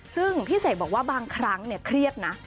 ซึ่งพิเศษบอกว่าบางครั้งเครียดนะ